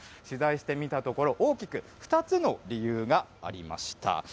取材してみたところ、大きく、２つの理由がありました。